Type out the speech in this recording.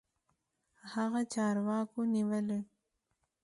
هغه چارواکو نيولى.